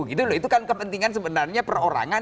itu kan kepentingan sebenarnya perorangan